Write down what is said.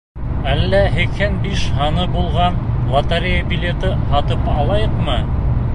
— Әллә һикһән биш һаны булған лотерея билеты һатып алайыҡмы?